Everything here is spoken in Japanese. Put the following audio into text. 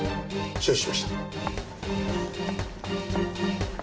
承知しました。